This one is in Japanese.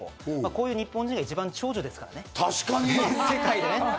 こういう日本人が一番長寿ですからね、世界で。